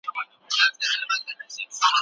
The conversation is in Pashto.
پښتو ته په پوره درناوي خدمت وکړه.